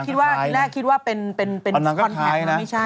ทีแรกคิดว่าเป็นคอนแฮตนั่นไม่ใช่